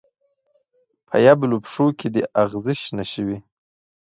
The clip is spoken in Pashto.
په یبلو پښو کې دې اغزې شنه شوي